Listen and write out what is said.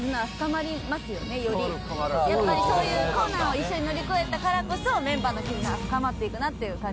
よりやっぱりそういう困難を一緒に乗り越えたからこそメンバーの絆は深まっていくなっていう。